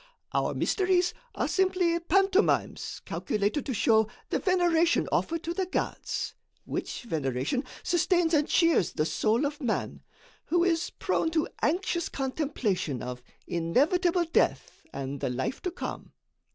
Our mysteries are simply pantomimes calculated to show the veneration offered to the gods, which veneration sustains and cheers the soul of man, who is prone to anxious contemplation of inevitable death and the life to come.